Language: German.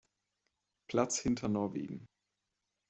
Platz hinter Norwegen.